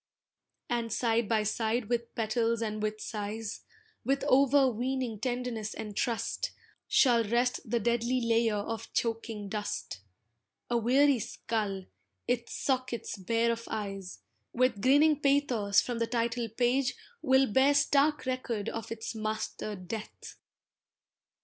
And side by side with petals and with sighs, With overweening tenderness and trust, Shall rest the deadly layer of choking dust: A weary skull, its sockets bare of eyes, With grinning pathos from the title page Will bear stark record of its master Death.